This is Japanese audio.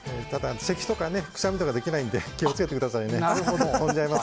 せきとか、くしゃみとかできないので気を付けてくださいね。